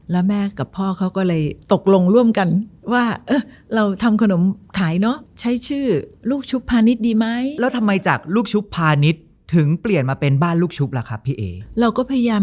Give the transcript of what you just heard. แล้วแม่กับพ่อเขาก็เลยตกลงร่วมกันว่าเราทำขนมขายเนาะใช้ชื่อลูกชุบพาณิชย์ดีไหม